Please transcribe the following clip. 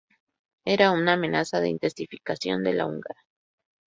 Era una amenaza de intensificación de la húngara.